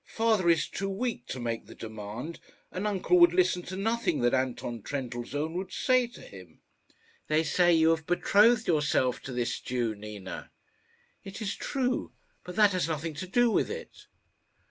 Father is too weak to make the demand, and uncle would listen to nothing that Anton Trendellsohn would say to him." "They say that you have betrothed yourself to this Jew, Nina." "It is true. But that has nothing to do with it."